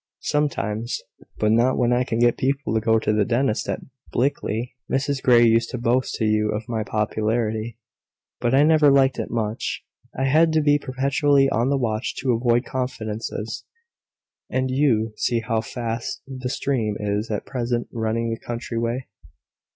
"Sometimes; but not when I can get people to go to the dentist at Blickley. Mrs Grey used to boast to you of my popularity; but I never liked it much. I had to be perpetually on the watch to avoid confidences; and you see how fast the stream is at present running the contrary way.